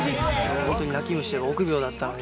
本当に泣き虫で臆病だったので。